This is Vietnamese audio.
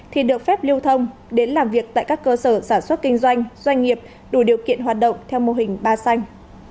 thì được phép lưu thông đến làm việc tại các cơ sở sản xuất kinh doanh doanh nghiệp đủ điều kiện hoạt động theo mô hình ba xanh